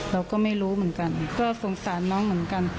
เราก็ไม่รู้เหมือนกันก็สงสารน้องเหมือนกัน